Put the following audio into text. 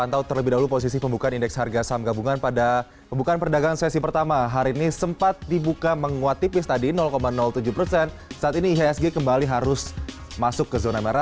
terima kasih pak presiden